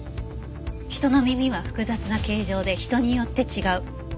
人の耳は複雑な形状で人によって違う。